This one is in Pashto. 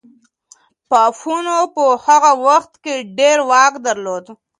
پاپانو په هغه وخت کي ډېر واک درلود.